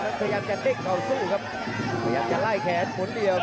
พยายามจะนวดลำตัวกับต่อในแทงซ้าย